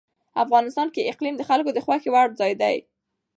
افغانستان کې اقلیم د خلکو د خوښې وړ ځای دی.